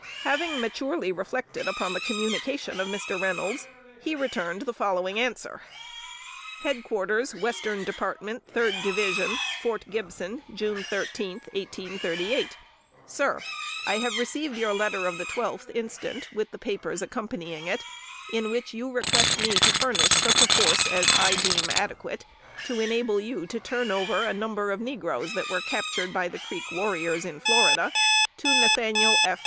Having maturely reflected upon the communication of Mr. Reynolds, he returned the following answer: "HEAD QUARTERS WESTERN DEPARTMENT, THIRD DIVISION,} Fort Gibson, June 13th, 1838. } "SIR: I have received your letter of the 12th instant, with the papers accompanying it, in which you request me to furnish such a force as I deem adequate, to enable you to turn over a number of negroes that were captured by the Creek warriors in Florida, to Nathaniel F.